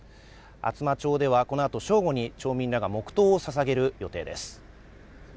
厚真町ではこのあと正午に町民らが黙とうをささげる予定です